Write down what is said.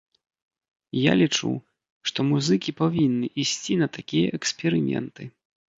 Я лічу, што музыкі павінны ісці на такія эксперыменты.